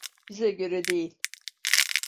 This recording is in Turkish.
Bize göre değil.